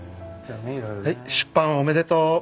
はい出版おめでとう。